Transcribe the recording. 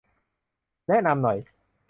แนะนำหน่อย